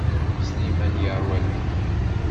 Sliman yerwa lḥif.